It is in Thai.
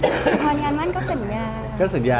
ตอนงานมั่นก็สัญญา